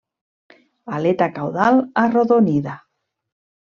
Aleta caudal arrodonida.